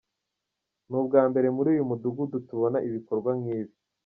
Ni ubwa mbere muri uyu mudugudu tubona ibikorwa nk’ibi.